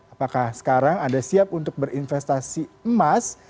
apakah sekarang anda siap untuk berinvestasi emas